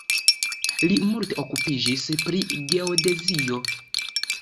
Li multe okupiĝis pri geodezio.